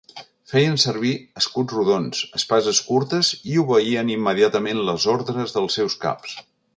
Feien servir escuts rodons, espases curtes i obeïen immediatament les ordres dels seus caps.